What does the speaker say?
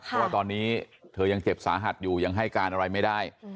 เพราะว่าตอนนี้เธอยังเจ็บสาหัสอยู่ยังให้การอะไรไม่ได้